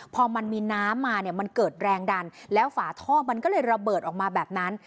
พอมันมีน้ำมาเนี่ยมันเกิดแรงดันแล้วฝาท่อมันก็เลยระเบิดออกมาแบบนั้น